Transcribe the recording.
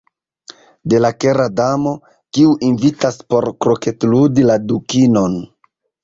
De la Kera Damo, kiu invitas por kroketludi la Dukinon.